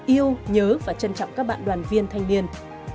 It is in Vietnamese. yêu nhớ và trân trọng các bạn đoàn viên thanh niên